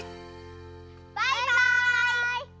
バイバイ！